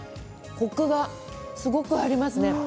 コクがすごくありますね。